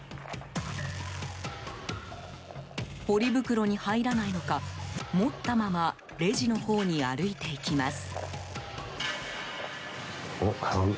ポリ袋に入らないのか持ったままレジの方に歩いていきます。